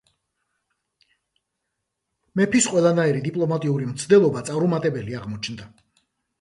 მეფის ყველანაირი დიპლომატიური მცდელობა წარუმატებელი აღმოჩნდა.